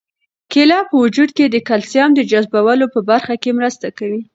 کیله په وجود کې د کلسیم د جذبولو په برخه کې مرسته کوي.